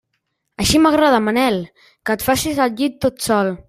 Així m'agrada, Manel, que et facis el llit tot sol.